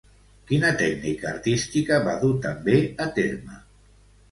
Quina tècnica artística va dur també a terme?